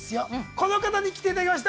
この方に来ていただきました。